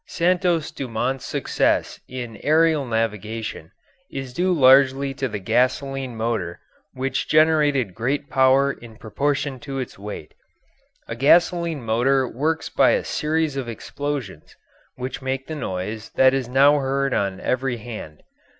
Santos Dumont's success in aerial navigation is due largely to the gasoline motor, which generated great power in proportion to its weight. A gasoline motor works by a series of explosions, which make the noise that is now heard on every hand.